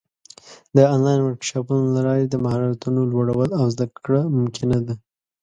د آنلاین ورکشاپونو له لارې د مهارتونو لوړول او زده کړه ممکنه ده.